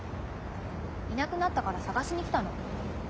いなくなったから捜しに来たの。